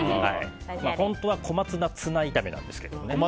本当はコマツナツナ炒めなんですけどね。